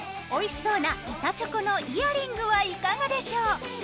おいしそうな板チョコのイヤリングはいかがでしょう？